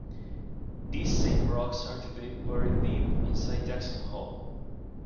These same rocks are today buried deep inside Jackson Hole.